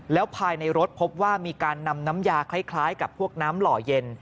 แล้วภายในรถพบว่ามีการนำน้ำยาคล้ายกับพวกน้ำหล่อเย็น